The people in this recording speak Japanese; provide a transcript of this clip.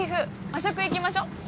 和食行きましょう！